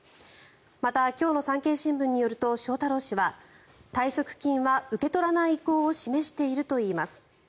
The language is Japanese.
また、今日の産経新聞によると翔太郎氏は退職金は受け取らない意向を示しているといいます。